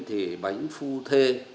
thì bánh phu thê